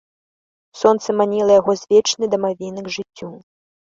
Сонца маніла яго з вечнай дамавіны к жыццю.